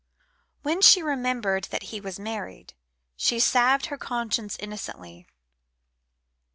When she remembered that he was married, she salved her conscience innocently.